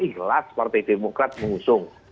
ikhlas partai demokrat mengusung